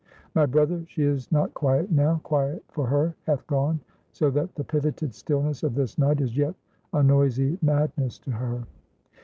My brother, she is not quiet now; quiet for her hath gone; so that the pivoted stillness of this night is yet a noisy madness to her."